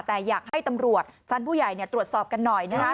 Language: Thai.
แต่อยากให้ตำรวจชั้นผู้ใหญ่ตรวจสอบกันหน่อยนะคะ